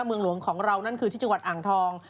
เมืองหลวงของเรานั่นคือที่จังหวัดอ่างทอง